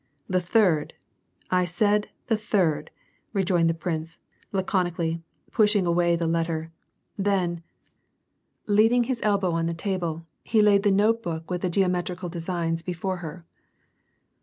" The third, I said, the third," rejoined the prince, laconi cally, pushing away the letter j then, leaning his elbow on the WAR AND PEACE. 106 table, lie laid the note book with the geometrical designs before her.